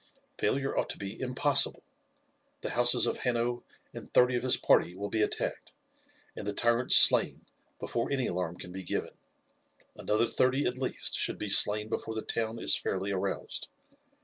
"Failure ought to be impossible. The houses of Hanno and thirty of his party will be attacked, and the tyrants slain before any alarm can be given. Another thirty at least should be slain before the town is fairly aroused.